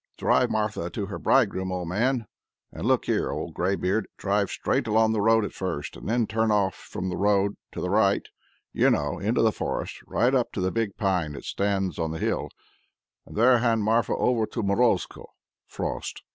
Drive Marfa to her bridegroom, old man. And look here, old greybeard! drive straight along the road at first, and then turn off from the road to the right, you know, into the forest right up to the big pine that stands on the hill, and there hand Marfa over to Morozko (Frost)."